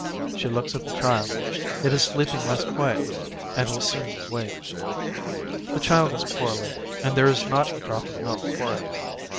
She looks at the child, it is sleeping less quietly, and will soon wake. The child is poorly, and there is not a drop of milk for it.